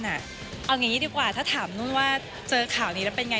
เอาอย่างนี้ดีกว่าถ้าถามนุ่งว่าเจอข่าวนี้แล้วเป็นไง